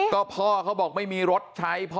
ก็พ่อเขาบอกไม่มีรถใช้พ่อ